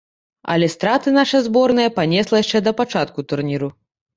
Але страты наша зборная панесла яшчэ да пачатку турніру.